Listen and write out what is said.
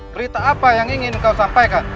berita apa yang ingin kau sampaikan